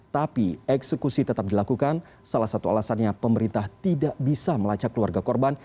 tapi eksekusi tetap dilakukan salah satu alasannya pemerintah tidak bisa melacak keluarga korban